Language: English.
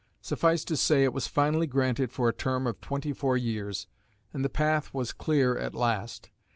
Suffice to say it was finally granted for a term of twenty four years, and the path was clear at last.